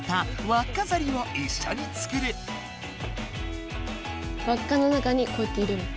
わっかの中にこうやって入れるの。